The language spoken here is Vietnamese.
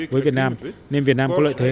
với việt nam nên việt nam có lợi thế